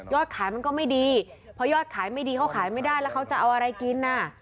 ขายมันก็ไม่ดีเพราะยอดขายไม่ดีเขาขายไม่ได้แล้วเขาจะเอาอะไรกินน่ะ